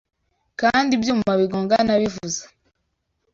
Kandi ibyuma bigongana bivuza